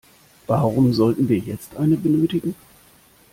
Warum sollten wir jetzt eine benötigen?